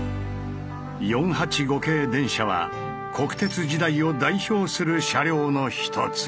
４８５系電車は国鉄時代を代表する車両の一つ。